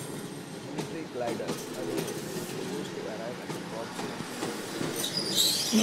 Military gliders allow crews to arrive at the drop zone along with their vehicles.